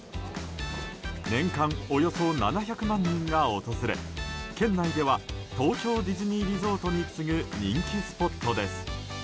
年間およそ７００万人が訪れ県内では東京ディズニーリゾートに次ぐ人気スポットです。